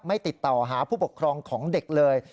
ติดต่อหาผู้ปกครองของเด็กเลย